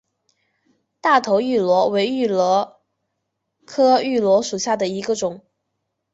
大头芋螺为芋螺科芋螺属下的一个种。